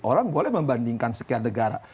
orang boleh membandingkan sekian negara